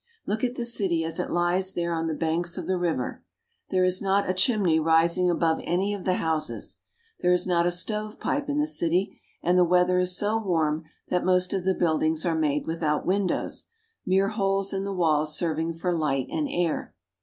Look at the city as it lies there on the banks of the river. There is not a chimney rising above any of the houses. There is not a stovepipe in the city, and the weather is so warm that most of the buildings are made without windows; mere holes in the walls serving for light and air.